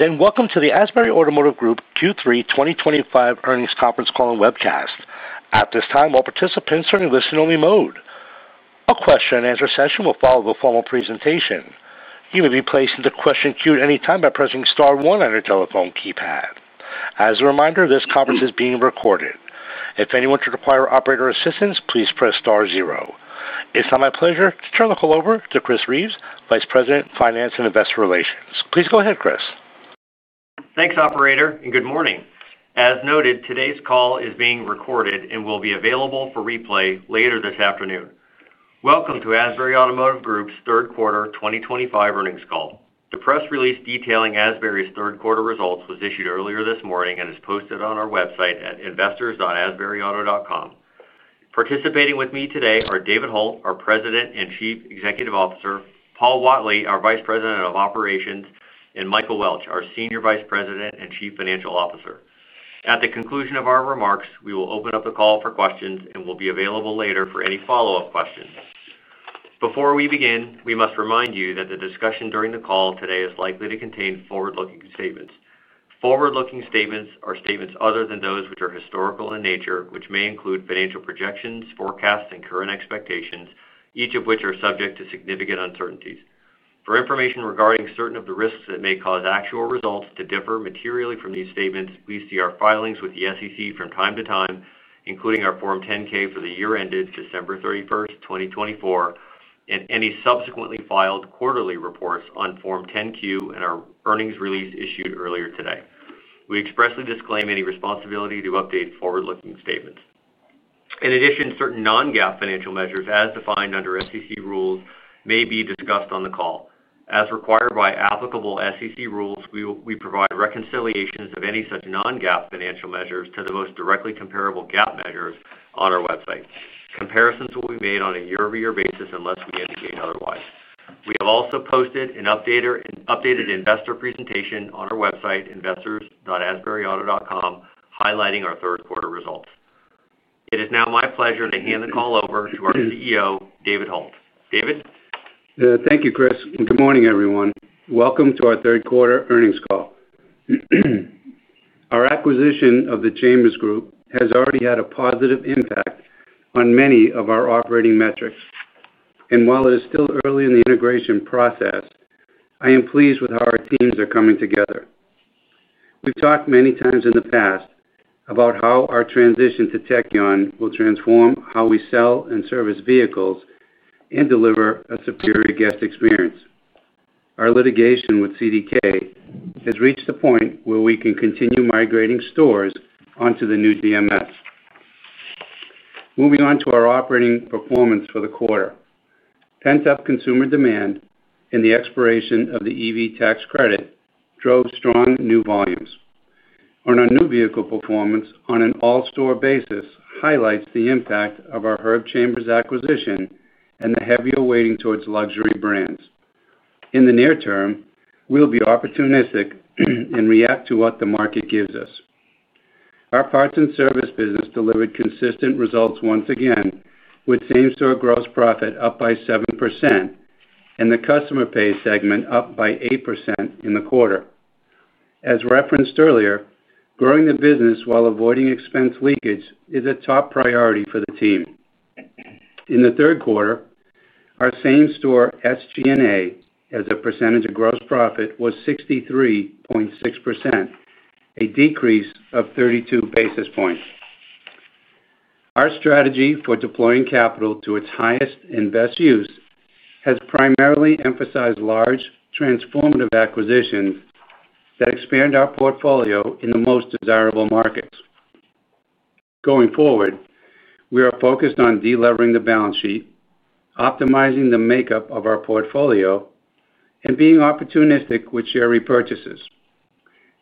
Welcome to the Asbury Automotive Group Q3 2025 earnings conference call and webcast. At this time, all participants are in a listen-only mode. A question and answer session will follow the formal presentation. You may be placed into the question queue at any time by pressing star one on your telephone keypad. As a reminder, this conference is being recorded. If anyone should require operator assistance, please press star zero. It's now my pleasure to turn the call over to Chris Reeves, Vice President, Finance and Investor Relations. Please go ahead, Chris. Thanks, operator, and good morning. As noted, today's call is being recorded and will be available for replay later this afternoon. Welcome to Asbury Automotive Group's third quarter 2025 earnings call. The press release detailing Asbury's third quarter results was issued earlier this morning and is posted on our website at investors.asburyauto.com. Participating with me today are David Hult, our President and Chief Executive Officer, Paul Whatley, our Vice President of Operations, and Michael Welch, our Senior Vice President and Chief Financial Officer. At the conclusion of our remarks, we will open up the call for questions and will be available later for any follow-up questions. Before we begin, we must remind you that the discussion during the call today is likely to contain forward-looking statements. Forward-looking statements are statements other than those which are historical in nature, which may include financial projections, forecasts, and current expectations, each of which are subject to significant uncertainties. For information regarding certain of the risks that may cause actual results to differ materially from these statements, please see our filings with the SEC from time to time, including our Form 10-K for the year ended December 31st, 2024, and any subsequently filed quarterly reports on Form 10-Q and our earnings release issued earlier today. We expressly disclaim any responsibility to update forward-looking statements. In addition, certain non-GAAP financial measures, as defined under SEC rules, may be discussed on the call. As required by applicable SEC rules, we provide reconciliations of any such non-GAAP financial measures to the most directly comparable GAAP measures on our website. Comparisons will be made on a year-over-year basis unless we indicate otherwise. We have also posted an updated investor presentation on our website, investors.asburyauto.com, highlighting our third quarter results. It is now my pleasure to hand the call over to our CEO, David Hult. David? Thank you, Chris, and good morning, everyone. Welcome to our third quarter earnings call. Our acquisition of the Chambers Group has already had a positive impact on many of our operating metrics. While it is still early in the integration process, I am pleased with how our teams are coming together. We've talked many times in the past about how our transition to Tekion will transform how we sell and service vehicles and deliver a superior guest experience. Our litigation with CDK has reached the point where we can continue migrating stores onto the new DMS. Moving on to our operating performance for the quarter, pent-up consumer demand and the expiration of the EV tax credit drove strong new volumes. Our new vehicle performance on an all-store basis highlights the impact of our Herb Chambers acquisition and the heavier weighting towards luxury brands. In the near term, we'll be opportunistic and react to what the market gives us. Our parts and service business delivered consistent results once again, with same-store gross profit up by 7% and the customer pay segment up by 8% in the quarter. As referenced earlier, growing the business while avoiding expense leakage is a top priority for the team. In the third quarter, our same-store SG&A, as a percentage of gross profit, was 63.6%, a decrease of 32 basis points. Our strategy for deploying capital to its highest and best use has primarily emphasized large, transformative acquisitions that expand our portfolio in the most desirable markets. Going forward, we are focused on deleveraging the balance sheet, optimizing the makeup of our portfolio, and being opportunistic with share repurchases.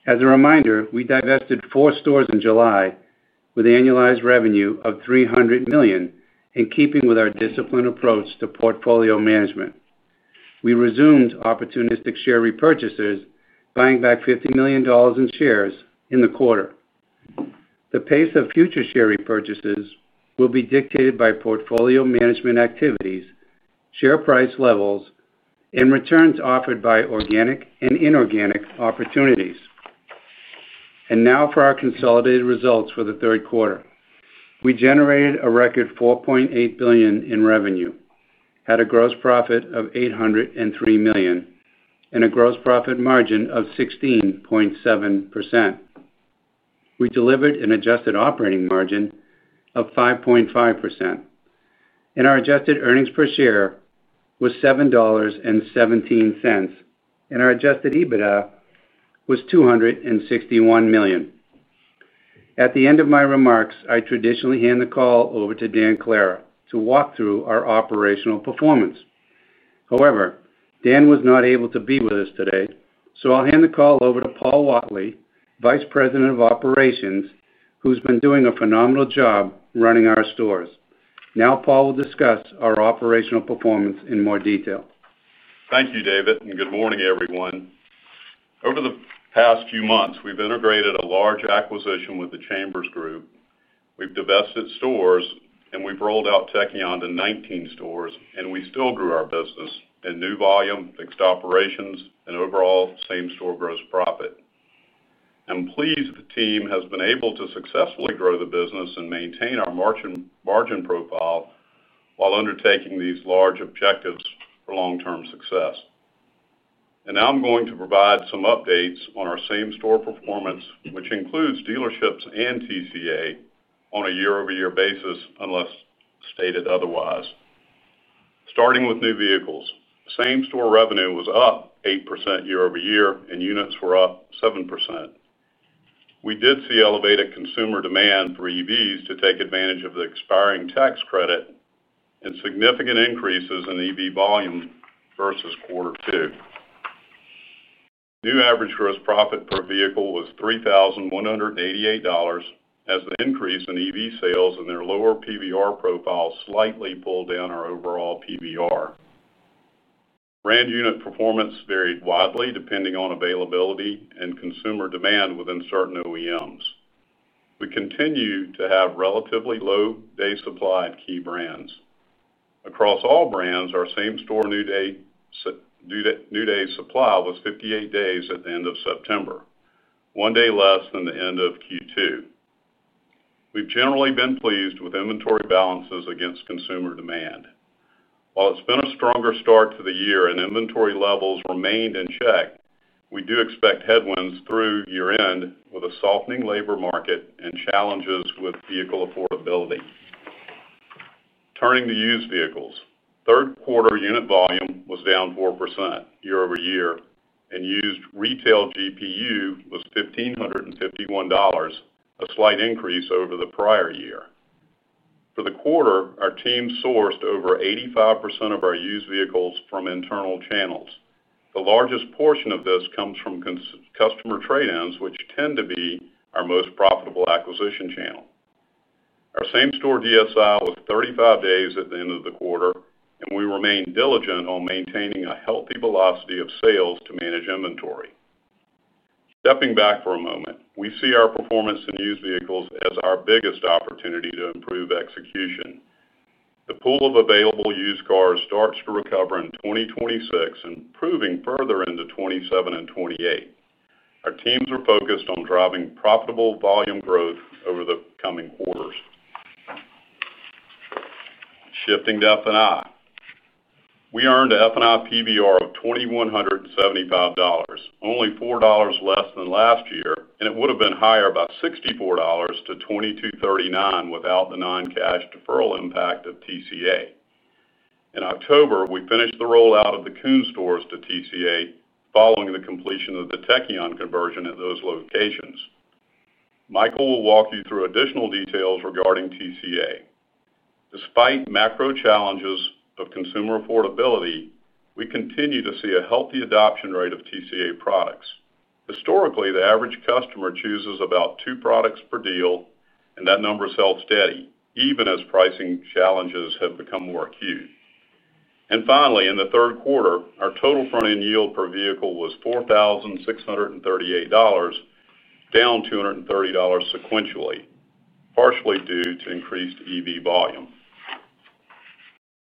As a reminder, we divested four stores in July with annualized revenue of $300 million, in keeping with our disciplined approach to portfolio management. We resumed opportunistic share repurchases, buying back $50 million in shares in the quarter. The pace of future share repurchases will be dictated by portfolio management activities, share price levels, and returns offered by organic and inorganic opportunities. Now for our consolidated results for the third quarter. We generated a record $4.8 billion in revenue, had a gross profit of $803 million, and a gross profit margin of 16.7%. We delivered an adjusted operating margin of 5.5%. Our adjusted earnings per share was $7.17, and our adjusted EBITDA was $261 million. At the end of my remarks, I traditionally hand the call over to Dan Clara to walk through our operational performance. However, Dan was not able to be with us today, so I'll hand the call over to Paul Whatley, Vice President of Operations, who's been doing a phenomenal job running our stores. Paul will discuss our operational performance in more detail. Thank you, David, and good morning, everyone. Over the past few months, we've integrated a large acquisition with the Chambers Group. We've divested stores, and we've rolled out Tekion to 19 stores, and we still grew our business in new volume, fixed operations, and overall same-store gross profit. I'm pleased the team has been able to successfully grow the business and maintain our margin profile while undertaking these large objectives for long-term success. Now I'm going to provide some updates on our same-store performance, which includes dealerships and TCA on a year-over-year basis unless stated otherwise. Starting with new vehicles, same-store revenue was up 8% year-over-year, and units were up 7%. We did see elevated consumer demand for EVs to take advantage of the expiring tax credit and significant increases in EV volume versus quarter two. New average gross profit per vehicle was $3,188 as the increase in EV sales and their lower PVR profile slightly pulled down our overall PVR. Brand unit performance varied widely depending on availability and consumer demand within certain OEMs. We continue to have relatively low day supply at key brands. Across all brands, our same-store new day supply was 58 days at the end of September, one day less than the end of Q2. We've generally been pleased with inventory balances against consumer demand. While it's been a stronger start to the year and inventory levels remained in check, we do expect headwinds through year-end with a softening labor market and challenges with vehicle affordability. Turning to used vehicles, third quarter unit volume was down 4% year-over-year, and used retail GPU was $1,551, a slight increase over the prior year. For the quarter, our team sourced over 85% of our used vehicles from internal channels. The largest portion of this comes from customer trade-ins, which tend to be our most profitable acquisition channel. Our same-store DSI was 35 days at the end of the quarter, and we remain diligent on maintaining a healthy velocity of sales to manage inventory. Stepping back for a moment, we see our performance in used vehicles as our biggest opportunity to improve execution. The pool of available used cars starts to recover in 2026 and proving further into 2027 and 2028. Our teams are focused on driving profitable volume growth over the coming quarters. Shifting to F&I. We earned an F&I PVR of $2,175, only $4 less than last year, and it would have been higher by $64 to $2,239 without the non-cash deferral impact of TCA. In October, we finished the rollout of the Koons stores to TCA following the completion of the Tekion conversion at those locations. Michael will walk you through additional details regarding TCA. Despite macro challenges of consumer affordability, we continue to see a healthy adoption rate of TCA products. Historically, the average customer chooses about two products per deal, and that number has held steady even as pricing challenges have become more acute. Finally, in the third quarter, our total front-end yield per vehicle was $4,638, down $230 sequentially, partially due to increased EV volume.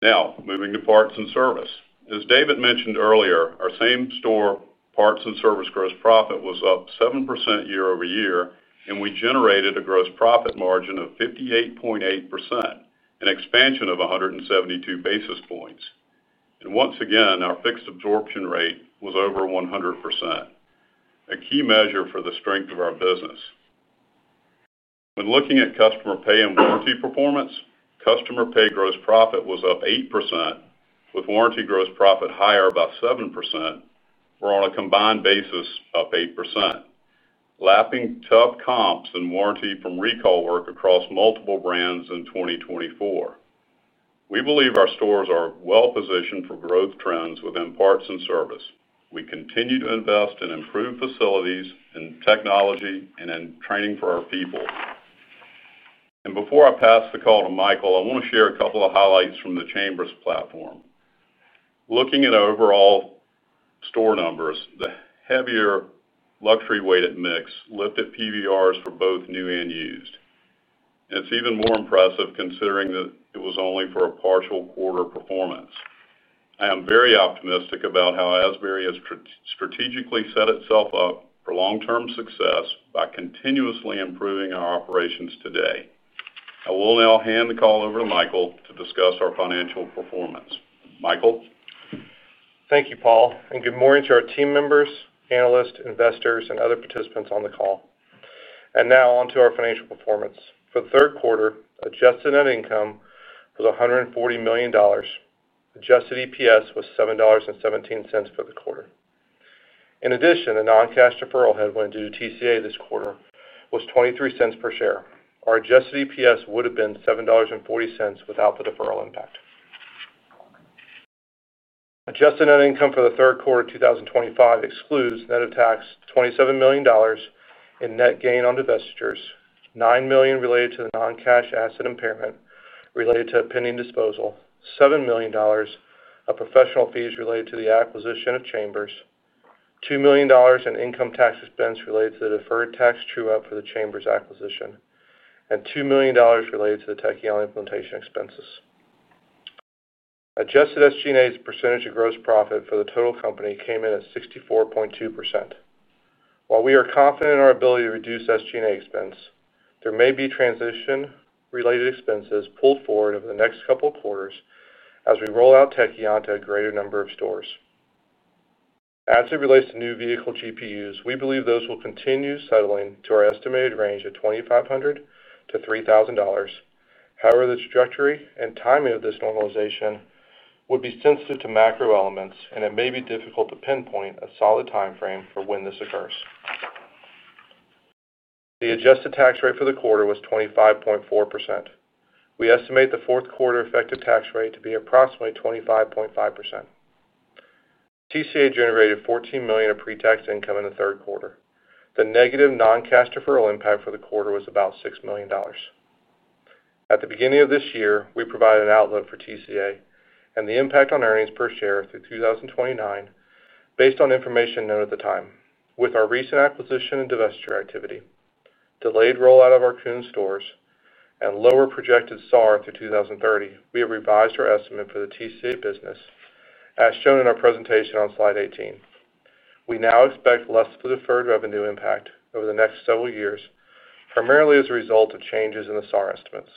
Now, moving to parts and service. As David mentioned earlier, our same-store parts and service gross profit was up 7% year-over-year, and we generated a gross profit margin of 58.8%, an expansion of 172 basis points. Once again, our fixed absorption rate was over 100%, a key measure for the strength of our business. When looking at customer pay and warranty performance, customer pay gross profit was up 8%, with warranty gross profit higher by 7%. We're on a combined basis of 8%, lapping tough comps and warranty from recall work across multiple brands in 2024. We believe our stores are well-positioned for growth trends within parts and service. We continue to invest in improved facilities and technology and in training for our people. Before I pass the call to Michael, I want to share a couple of highlights from the Chambers platform. Looking at overall store numbers, the heavier luxury weighted mix lifted PVRs for both new and used. It is even more impressive considering that it was only for a partial quarter performance. I am very optimistic about how Asbury has strategically set itself up for long-term success by continuously improving our operations today. I will now hand the call over to Michael to discuss our financial performance. Michael. Thank you, Paul, and good morning to our team members, analysts, investors, and other participants on the call. Now on to our financial performance. For the third quarter, adjusted net income was $140 million. Adjusted EPS was $7.17 for the quarter. In addition, the non-cash deferral headwind due to TCA this quarter was $0.23 per share. Our adjusted EPS would have been $7.40 without the deferral impact. Adjusted net income for the third quarter of 2025 excludes, net of tax, $27 million in net gain on divestitures, $9 million related to the non-cash asset impairment related to a pending disposal, $7 million of professional fees related to the acquisition of Chambers, $2 million in income tax expense related to the deferred tax true up for the Chambers acquisition, and $2 million related to the Tekion implementation expenses. Adjusted SG&A's percentage of gross profit for the total company came in at 64.2%. While we are confident in our ability to reduce SG&A expense, there may be transition-related expenses pulled forward over the next couple of quarters as we roll out Tekion to a greater number of stores. As it relates to new vehicle GPUs, we believe those will continue settling to our estimated range of $2,500-$3,000. However, the trajectory and timing of this normalization would be sensitive to macro elements, and it may be difficult to pinpoint a solid timeframe for when this occurs. The adjusted tax rate for the quarter was 25.4%. We estimate the fourth quarter effective tax rate to be approximately 25.5%. TCA generated $14 million of pre-tax income in the third quarter. The negative non-cash deferral impact for the quarter was about $6 million. At the beginning of this year, we provided an outlook for TCA and the impact on earnings per share through 2029 based on information known at the time. With our recent acquisition and divestiture activity, delayed rollout of our Koons stores, and lower projected SAAR through 2030, we have revised our estimate for the TCA business as shown in our presentation on slide 18. We now expect less of the deferred revenue impact over the next several years, primarily as a result of changes in the SAAR estimates.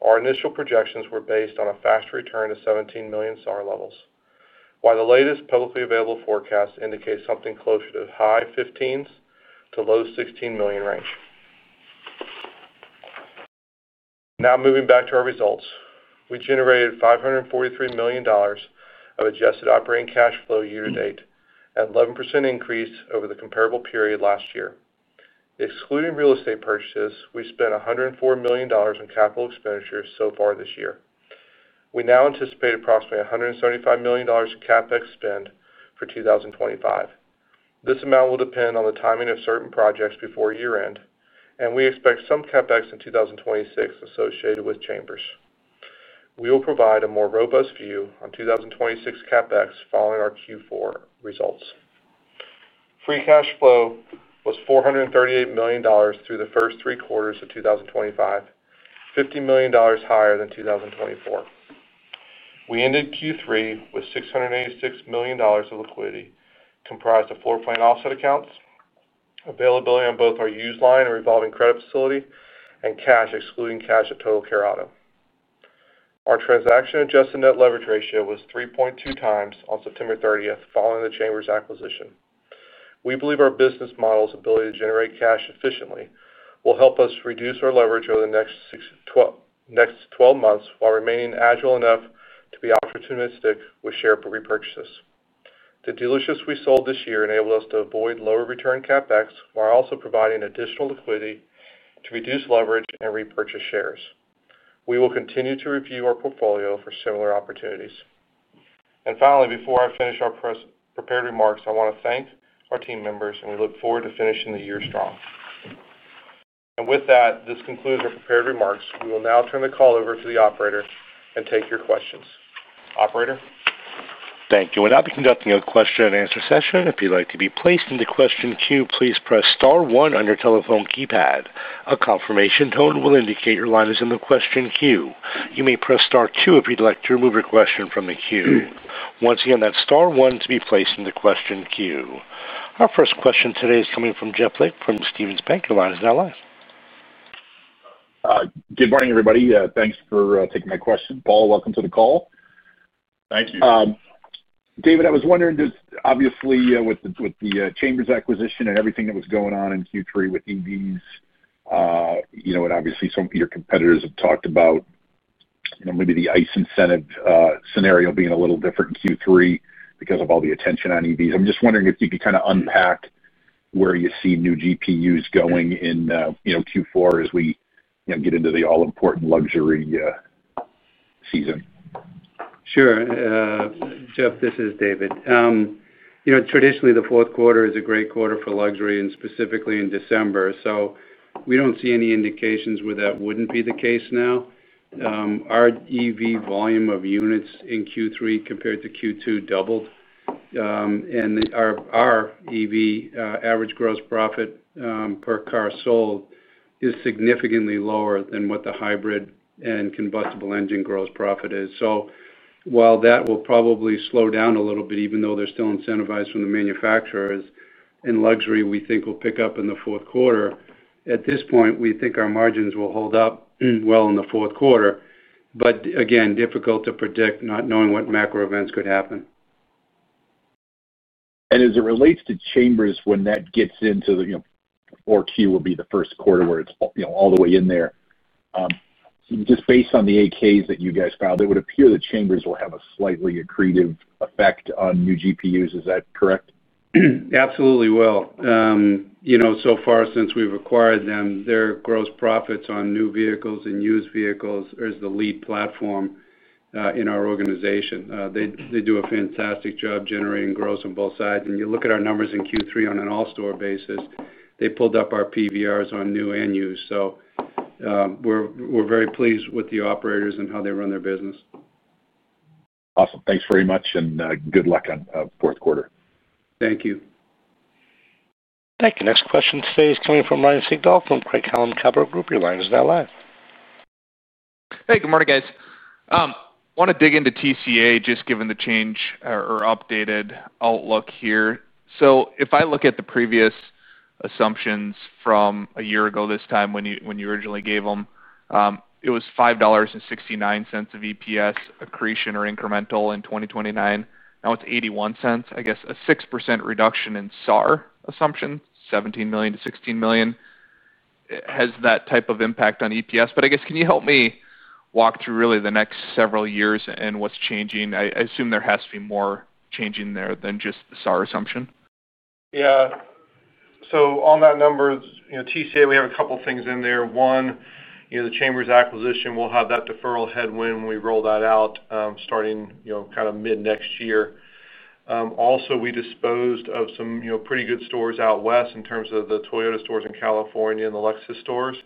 Our initial projections were based on a faster return to 17 million SAAR levels, while the latest publicly available forecast indicates something closer to high 15 million to low 16 million range. Now moving back to our results, we generated $543 million of adjusted operating cash flow year to date and an 11% increase over the comparable period last year. Excluding real estate purchases, we spent $104 million in capital expenditures so far this year. We now anticipate approximately $175 million in CapEx spend for 2025. This amount will depend on the timing of certain projects before year-end, and we expect some CapEx in 2026 associated with Chambers. We will provide a more robust view on 2026 CapEx following our Q4 results. Free cash flow was $438 million through the first three quarters of 2025, $50 million higher than 2024. We ended Q3 with $686 million of liquidity, comprised of floor-plan offset accounts, availability on both our used line and revolving credit facility, and cash, excluding cash at Total Care Auto. Our transaction adjusted net leverage ratio was 3.2x on September 30th following the Chambers acquisition. We believe our business model's ability to generate cash efficiently will help us reduce our leverage over the next 12 months while remaining agile enough to be opportunistic with share repurchases. The dealerships we sold this year enabled us to avoid lower return CapEx while also providing additional liquidity to reduce leverage and repurchase shares. We will continue to review our portfolio for similar opportunities. Finally, before I finish our prepared remarks, I want to thank our team members, and we look forward to finishing the year strong. With that, this concludes our prepared remarks. We will now turn the call over to the operator and take your questions. Operator? Thank you. I'll be conducting a question and answer session. If you'd like to be placed in the question queue, please press star one on your telephone keypad. A confirmation tone will indicate your line is in the question queue. You may press star two if you'd like to remove your question from the queue. Once again, that's star one to be placed in the question queue. Our first question today is coming from Jeff Lick from Stephens Inc. Your line is now live. Good morning, everybody. Thanks for taking my question. Paul, welcome to the call. Thank you. David, I was wondering, just obviously with the Chambers acquisition and everything that was going on in Q3 with EVs, and obviously some of your competitors have talked about maybe the ICE incentive scenario being a little different in Q3 because of all the attention on EVs. I'm just wondering if you could kind of unpack where you see new GPUs going in Q4 as we get into the all-important luxury season. Sure. Jeff, this is David. Traditionally, the fourth quarter is a great quarter for luxury, and specifically in December. We don't see any indications where that wouldn't be the case now. Our EV volume of units in Q3 compared to Q2 doubled, and our EV average gross profit per car sold is significantly lower than what the hybrid and combustible engine gross profit is. While that will probably slow down a little bit, even though they're still incentivized from the manufacturers in luxury, we think we'll pick up in the fourth quarter. At this point, we think our margins will hold up well in the fourth quarter. Again, difficult to predict not knowing what macro events could happen. As it relates to Chambers, when that gets into the fourth quarter, it would be the first quarter where it's all the way in there. Just based on the 8-Ks that you guys filed, it would appear that Chambers will have a slightly accretive effect on new GPUs. Is that correct? Absolutely will. You know, so far since we've acquired them, their gross profits on new vehicles and used vehicles is the lead platform in our organization. They do a fantastic job generating growth on both sides. You look at our numbers in Q3 on an all-store basis, they pulled up our PVRs on new and used. We're very pleased with the operators and how they run their business. Awesome. Thanks very much, and good luck on the fourth quarter. Thank you. Thank you. Next question today is coming from Ryan Sigdahl from Craig-Hallum Capital Group. Your line is now live. Hey, good morning, guys. I want to dig into TCA just given the change or updated outlook here. If I look at the previous assumptions from a year ago this time when you originally gave them, it was $5.69 of EPS accretion or incremental in 2029. Now it's $0.81, I guess a 6% reduction in SAAR assumption, 17 million to 16 million. Has that type of impact on EPS? I guess, can you help me walk through really the next several years and what's changing? I assume there has to be more changing there than just the SAAR assumption. Yeah. On that number, you know, TCA, we have a couple of things in there. One, you know, the Chambers acquisition will have that deferral headwind when we roll that out, starting kind of mid-next year. Also, we disposed of some pretty good stores out west in terms of the Toyota stores in California and the Lexus stores.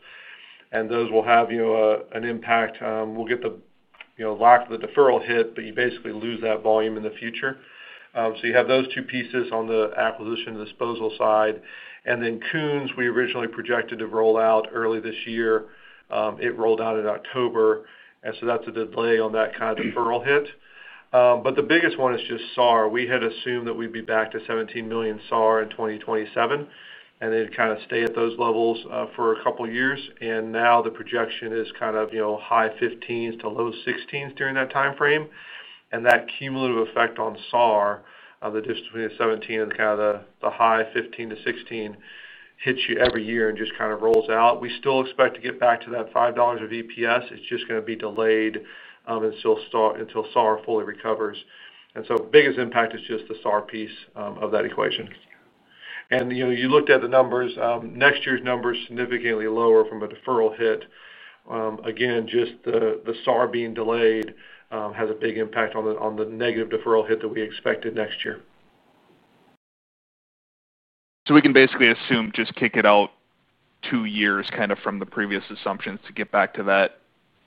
Those will have an impact. We'll get the, you know, lock the deferral hit, but you basically lose that volume in the future. You have those two pieces on the acquisition and disposal side. Koons, we originally projected to roll out early this year. It rolled out in October, and that's a delay on that kind of deferral hit. The biggest one is just SAAR. We had assumed that we'd be back to 17 million SAAR in 2027, and it'd kind of stay at those levels for a couple of years. Now the projection is kind of high 15 million to low 16 million during that timeframe. That cumulative effect on SAAR, the distance between the 17 million and kind of the high 15 million-16 million, hits you every year and just kind of rolls out. We still expect to get back to that $5 of EPS. It's just going to be delayed until SAAR fully recovers. The biggest impact is just the SAAR piece of that equation. You looked at the numbers, next year's numbers are significantly lower from a deferral hit. Again, just the SAAAR being delayed has a big impact on the negative deferral hit that we expected next year. We can basically assume just kick it out two years kind of from the previous assumptions to get back to that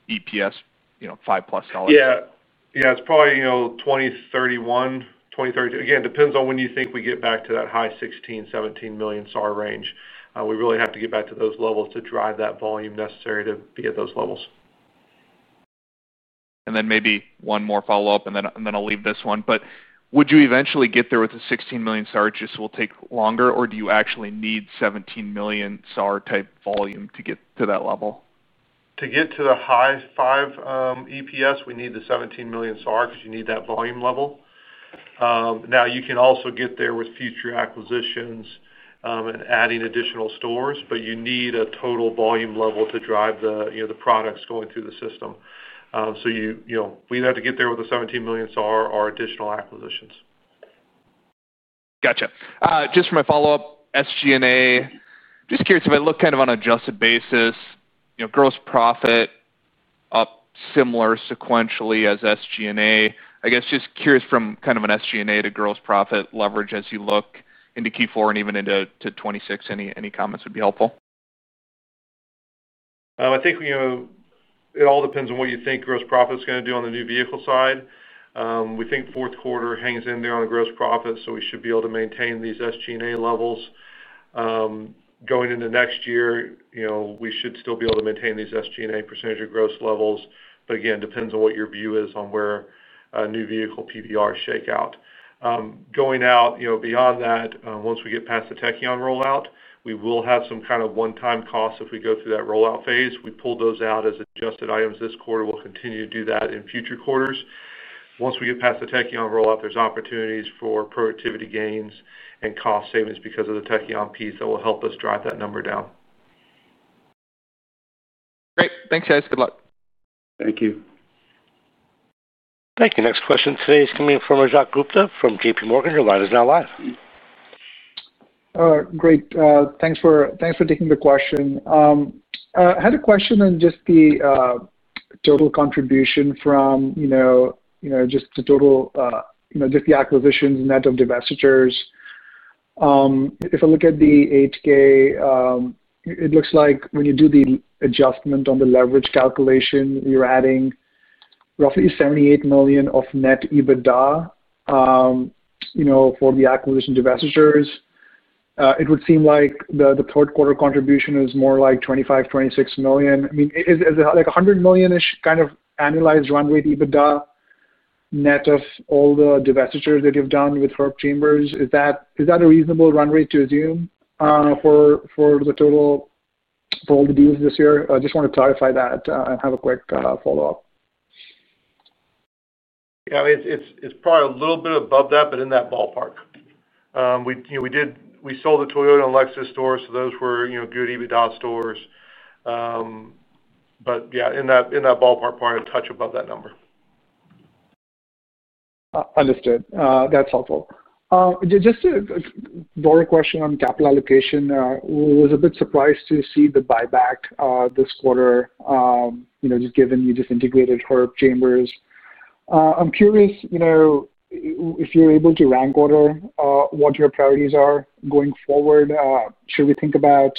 EPS, you know, $5+? Yeah, it's probably, you know, 2031. Again, it depends on when you think we get back to that high 16 million-17 million SAAR range. We really have to get back to those levels to drive that volume necessary to be at those levels. Maybe one more follow-up, and then I'll leave this one. Would you eventually get there with a 16 million SAAR? It just will take longer, or do you actually need 17 million SAAR-type volume to get to that level? To get to the high 5 EPS, we need the 17 million SAAR because you need that volume level. You can also get there with future acquisitions and adding additional stores, but you need a total volume level to drive the products going through the system. We'd have to get there with a 17 million SAAR or additional acquisitions. Gotcha. Just for my follow-up, SG&A, just curious if I look kind of on an adjusted basis, you know, gross profit up similar sequentially as SG&A. I guess just curious from kind of an SG&A to gross profit leverage as you look into Q4 and even into 2026, any comments would be helpful? I think it all depends on what you think gross profit is going to do on the new vehicle side. We think the fourth quarter hangs in there on the gross profit, so we should be able to maintain these SG&A levels. Going into next year, we should still be able to maintain these SG&A percentage of gross levels. Again, it depends on what your view is on where new vehicle PVRs shake out. Going out beyond that, once we get past the Tekion rollout, we will have some kind of one-time costs if we go through that rollout phase. We pull those out as adjusted items this quarter. We'll continue to do that in future quarters. Once we get past the Tekion rollout, there's opportunities for productivity gains and cost savings because of the Tekion piece that will help us drive that number down. Great. Thanks, guys. Good luck. Thank you. Thank you. Next question today is coming from Rajat Gupta from JPMorgan. Your line is now live. Great. Thanks for taking the question. I had a question on just the total contribution from the acquisitions and net of divestitures. If I look at the [HK], it looks like when you do the adjustment on the leverage calculation, you're adding roughly $78 million of net EBITDA for the acquisition divestitures. It would seem like the third quarter contribution is more like $25 million-$26 million. I mean, is it like $100 million-ish kind of annualized run rate EBITDA net of all the divestitures that you've done with Herb Chambers? Is that a reasonable run rate to assume for the total for all the deals this year? I just want to clarify that and have a quick follow-up. Yeah, I mean, it's probably a little bit above that, but in that ballpark. We sold the Toyota and Lexus stores, so those were good EBITDA stores. Yeah, in that ballpark, probably a touch above that number. Understood. That's helpful. Just a broader question on capital allocation. I was a bit surprised to see the buyback this quarter, you know, just given you just integrated Herb Chambers. I'm curious, you know, if you're able to rank order what your priorities are going forward, should we think about,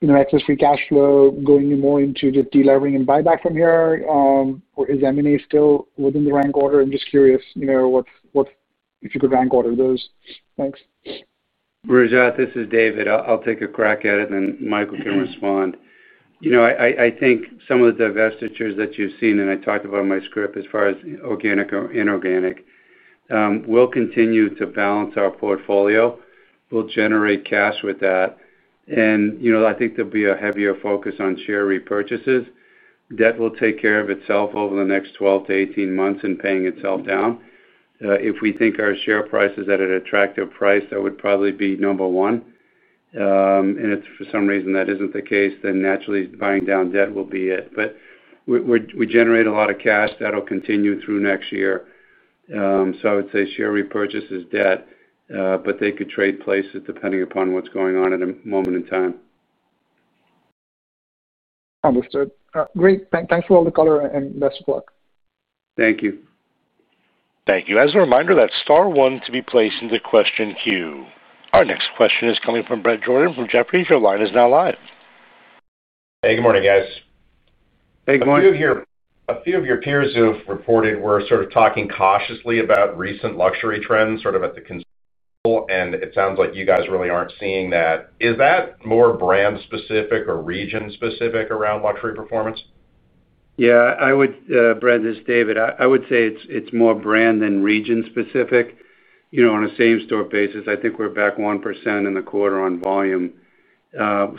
you know, excess free cash flow going more into just deleveraging and buyback from here, or is M&A still within the rank order? I'm just curious, you know, if you could rank order those things. Rajat, this is David. I'll take a crack at it, and then Michael can respond. I think some of the divestitures that you've seen, and I talked about in my script as far as organic or inorganic, we'll continue to balance our portfolio. We'll generate cash with that. I think there'll be a heavier focus on share repurchases. Debt will take care of itself over the next 12-18 months in paying itself down. If we think our share price is at an attractive price, that would probably be number one. If for some reason that isn't the case, then naturally buying down debt will be it. We generate a lot of cash that'll continue through next year. I would say share repurchases, debt, but they could trade places depending upon what's going on at a moment in time. Understood. Great, thanks for all the color and best of luck. Thank you. Thank you. As a reminder, that's star one to be placed in the question queue. Our next question is coming from Bret Jordan from Jefferies. Your line is now live. Hey, good morning, guys. Hey, good morning. A few of your peers who have reported were sort of talking cautiously about recent luxury trends at the consumer level, and it sounds like you guys really aren't seeing that. Is that more brand-specific or region-specific around luxury performance? Yeah, I would, Bret, this is David. I would say it's more brand than region-specific. You know, on a same-store basis, I think we're back 1% in the quarter on volume.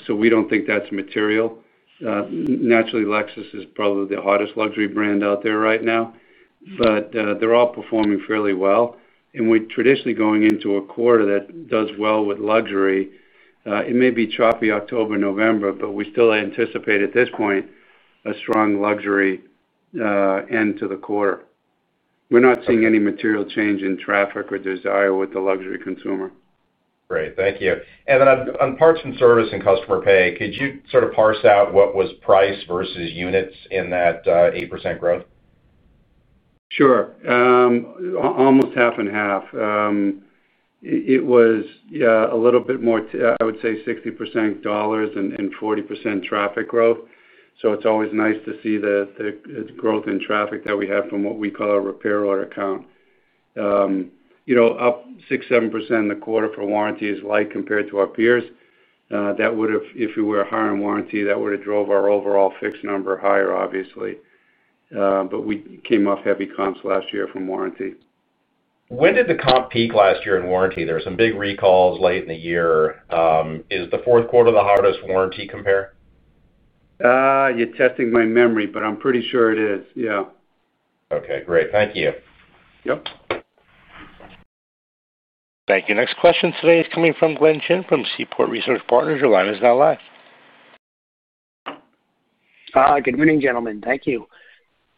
We don't think that's material. Naturally, Lexus is probably the hottest luxury brand out there right now. They're all performing fairly well. We're traditionally going into a quarter that does well with luxury. It may be choppy October, November, but we still anticipate at this point a strong luxury end to the quarter. We're not seeing any material change in traffic or desire with the luxury consumer. Great. Thank you. On parts and service and customer pay, could you sort of parse out what was price versus units in that 8% growth? Sure. Almost half and half. It was, yeah, a little bit more, I would say, 60% dollars and 40% traffic growth. It's always nice to see the growth in traffic that we have from what we call our repair order count. You know, up 6%-7% in the quarter for warranty is light compared to our peers. If we were higher in warranty, that would have driven our overall fixed number higher, obviously. We came off heavy comps last year from warranty. When did the comp peak last year in warranty? There were some big recalls late in the year. Is the fourth quarter the hardest warranty compare? You're testing my memory, but I'm pretty sure it is. Yeah. Okay. Great. Thank you. Yep. Thank you. Next question today is coming from Glenn Chin from Seaport Research Partners. Your line is now live. Good morning, gentlemen. Thank you.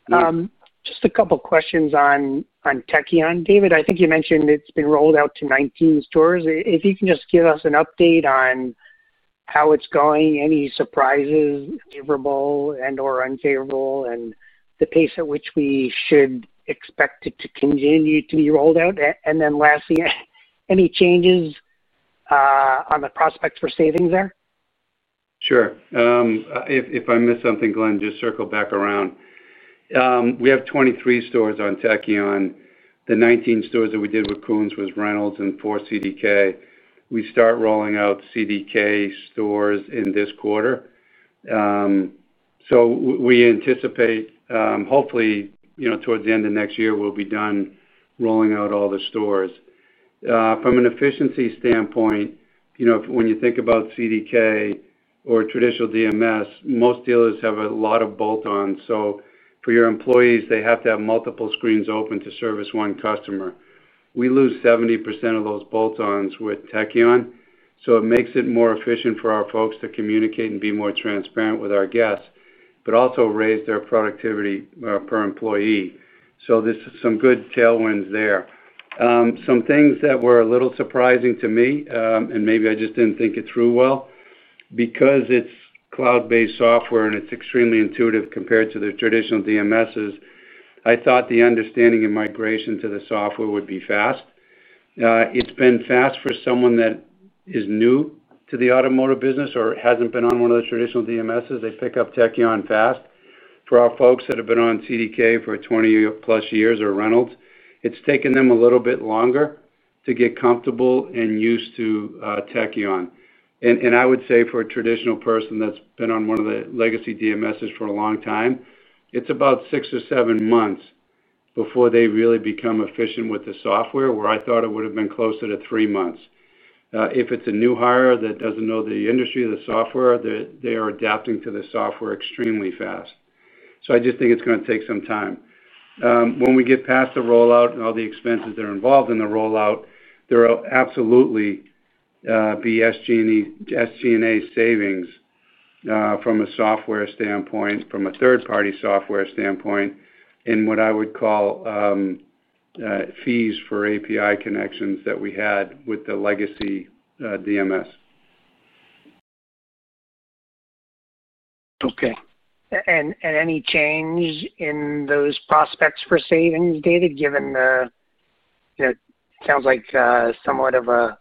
Just a couple of questions on Tekion, David. I think you mentioned it's been rolled out to 19 stores. If you can just give us an update on how it's going, any surprises, favorable and/or unfavorable, and the pace at which we should expect it to continue to be rolled out. Lastly, any changes on the prospects for savings there? Sure. If I missed something, Glen, just circle back around. We have 23 stores on Tekion. The 19 stores that we did with Koons were Reynolds and four CDK. We start rolling out CDK stores in this quarter. We anticipate, hopefully, towards the end of next year, we'll be done rolling out all the stores. From an efficiency standpoint, when you think about CDK or traditional DMS, most dealers have a lot of bolt-ons. For your employees, they have to have multiple screens open to service one customer. We lose 70% of those bolt-ons with Tekion, so it makes it more efficient for our folks to communicate and be more transparent with our guests, but also raise their productivity per employee. There are some good tailwinds there. Some things that were a little surprising to me, and maybe I just didn't think it through well, because it's cloud-based software and it's extremely intuitive compared to the traditional DMSs, I thought the understanding and migration to the software would be fast. It's been fast for someone that is new to the automotive business or hasn't been on one of the traditional DMSs. They pick up Tekion fast. For our folks that have been on CDK for 20+ years or Reynolds, it's taken them a little bit longer to get comfortable and used to Tekion. I would say for a traditional person that's been on one of the legacy DMSs for a long time, it's about six or seven months before they really become efficient with the software, where I thought it would have been closer to three months. If it's a new hire that doesn't know the industry, the software, they are adapting to the software extremely fast. I just think it's going to take some time. When we get past the rollout and all the expenses that are involved in the rollout, there will absolutely be SG&A savings from a software standpoint, from a third-party software standpoint, and what I would call fees for API connections that we had with the legacy DMS. Okay. Any change in those prospects for savings, David, given the, you know, it sounds like somewhat of a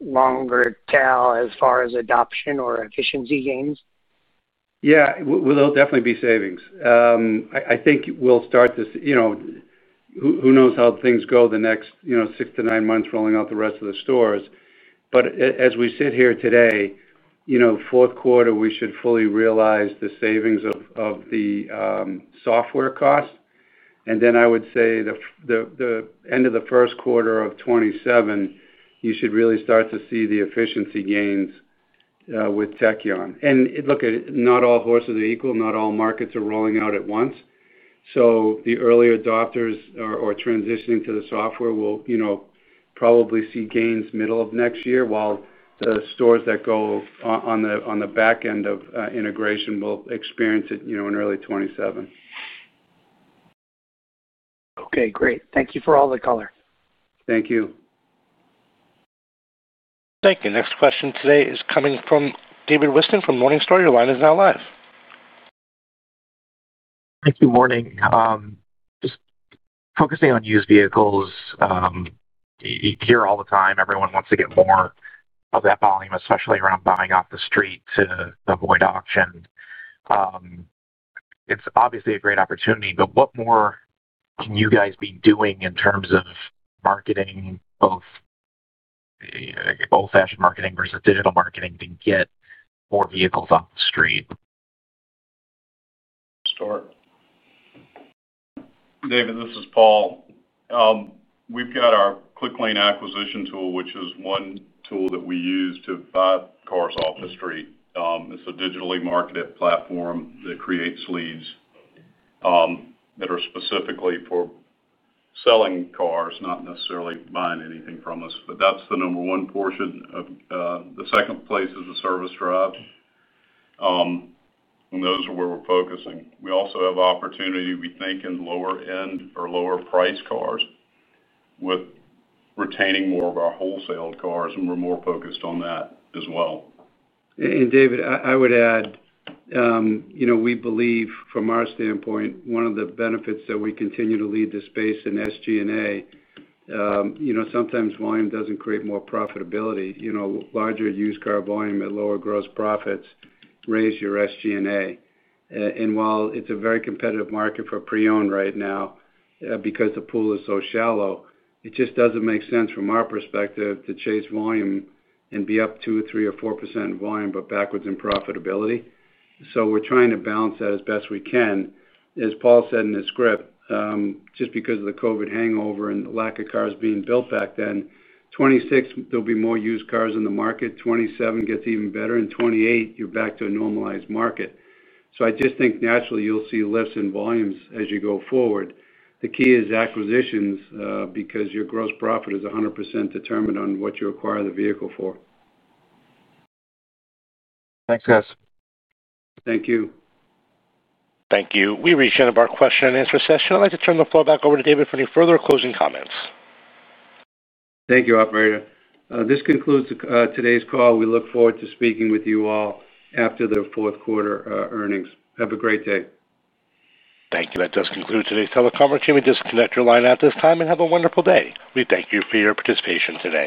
longer tail as far as adoption or efficiency gains? Yeah, there'll definitely be savings. I think we'll start this, you know, who knows how things go the next, you know, six to nine months rolling out the rest of the stores. As we sit here today, you know, fourth quarter, we should fully realize the savings of the software costs. I would say the end of the first quarter of 2027, you should really start to see the efficiency gains with Tekion. Not all horses are equal. Not all markets are rolling out at once. The early adopters or transitioning to the software will probably see gains middle of next year, while the stores that go on the back end of integration will experience it in early 2027. Okay. Great. Thank you for all the color. Thank you. Thank you. Next question today is coming from David Whiston from Morningstar. Your line is now live. Thank you. Morning. Just focusing on used vehicles. You hear all the time, everyone wants to get more of that volume, especially around buying off the street to avoid auction. It's obviously a great opportunity, but what more can you guys be doing in terms of marketing, both old-fashioned marketing versus digital marketing to get more vehicles off the street? David, this is Paul. We've got our Clicklane acquisition tool, which is one tool that we use to buy cars off the street. It's a digitally marketed platform that creates leads that are specifically for selling cars, not necessarily buying anything from us. That's the number one portion. The second place is the service drive, and those are where we're focusing. We also have opportunity, we think, in lower-end or lower-priced cars with retaining more of our wholesale cars, and we're more focused on that as well. David, I would add, you know, we believe from our standpoint, one of the benefits is that we continue to lead this space in SG&A. You know, sometimes volume doesn't create more profitability. Larger used car volume at lower gross profits raises your SG&A. While it's a very competitive market for pre-owned right now, because the pool is so shallow, it just doesn't make sense from our perspective to chase volume and be up 2%, 3%, or 4% in volume, but backwards in profitability. We're trying to balance that as best we can. As Paul said in his script, just because of the COVID hangover and the lack of cars being built back then, 2026, there will be more used cars in the market. 2027 gets even better. In 2028, you're back to a normalized market. I just think naturally you'll see lifts in volumes as you go forward. The key is acquisitions because your gross profit is 100% determined on what you acquire the vehicle for. Thanks, guys. Thank you. Thank you. We reached the end of our question and answer session. I'd like to turn the floor back over to David for any further closing comments. Thank you, operator. This concludes today's call. We look forward to speaking with you all after the fourth quarter earnings. Have a great day. Thank you. That does conclude today's teleconference. You may disconnect your line at this time and have a wonderful day. We thank you for your participation today.